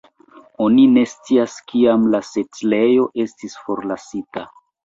Oni ne scias kiam la setlejo estis forlasita.